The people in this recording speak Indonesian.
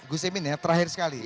gus imin ya terakhir sekali